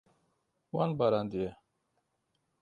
Wan barandiye.